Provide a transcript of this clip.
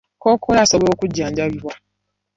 Kkookolo asobola okujjanjabibwa.